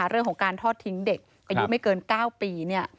เรื่องของการทอดทิ้งเด็กอายุไม่เกิน๙ปี